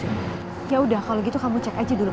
enggak usah enggak perlu